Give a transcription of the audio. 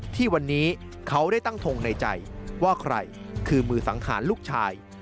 ที่วันนี้เขาได้ตั้งทงในใจว่าใครคือมือสังหารลูกชาย